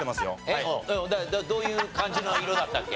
どういう感じの色だったっけ？